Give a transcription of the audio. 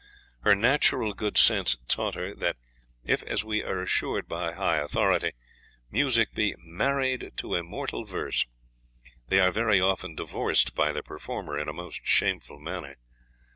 Her natural good sense taught her that, if, as we are assured by high authority, music be 'married to immortal verse,' they are very often divorced by the performer in a most shameful manner.